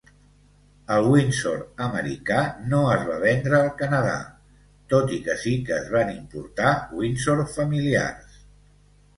El Windsor americà no es va vendre al Canadà, tot i que sí que es van importar Windsor familiars.